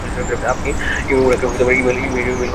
আপনি উনাকে ই-মেইল করলে ভালো হয়।